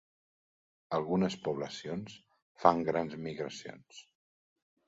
Algunes poblacions fan grans migracions.